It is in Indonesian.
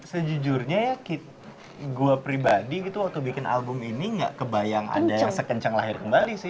sejujurnya ya gue pribadi gitu waktu bikin album ini gak kebayang ada yang sekencang lahir kembali sih